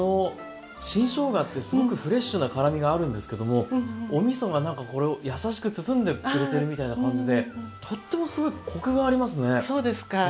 新しょうがってすごくフレッシュな辛みがあるんですけどもおみそがなんかこれを優しく包んでくれてるみたいな感じでとってもすごいコクがありますね。